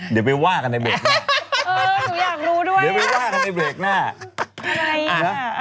เดี๋ยวไปว่ากันในเบรกหน้า